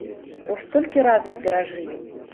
Бо столькі разам перажылі.